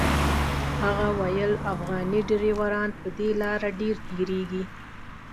هغه ویل افغاني ډریوران په دې لاره ډېر تېرېږي.